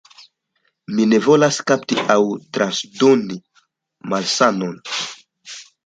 Mi ne volas kapti aŭ transdoni malsanon.